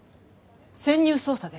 潜入捜査です。